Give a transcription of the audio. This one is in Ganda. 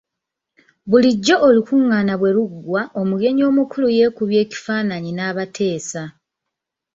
Bulijjo olukungaana bwe luggwa omugenyi omukulu yeekubya ekifaananyi n'abateesa.